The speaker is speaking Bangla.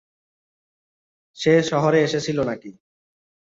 সে শহরে এসেছিল নাকি?